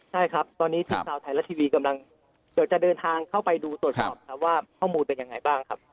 ใช่ครับตอนนี้ทีมข่าวไทยรัฐทีวีกำลังเดี๋ยวจะเดินทางเข้าไปดูตรวจสอบครับว่าข้อมูลเป็นยังไงบ้างครับ